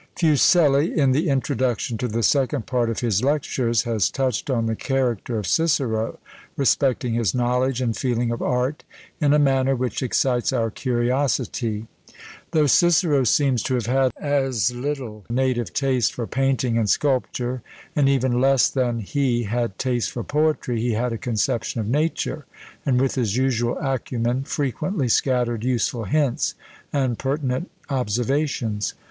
Fuseli, in the introduction to the second part of his Lectures, has touched on the character of Cicero, respecting his knowledge and feeling of Art, in a manner which excites our curiosity. "Though Cicero seems to have had as little native taste for painting and sculpture, and even less than he had taste for poetry, he had a conception of Nature, and with his usual acumen frequently scattered useful hints and pertinent observations.